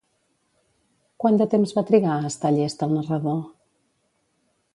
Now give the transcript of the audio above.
Quant de temps va trigar a estar llest el narrador?